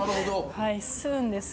はい吸うんです。